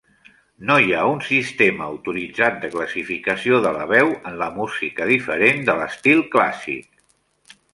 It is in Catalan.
No hi ha un sistema autoritzat de classificació de la veu en la música diferent de l'estil clàssic.